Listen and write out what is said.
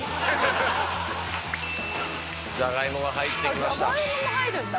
ジャガイモが入ってきました。